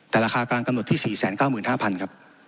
แต่ราคากลางกำหนดที่๔๙๕๐๐๐ครับ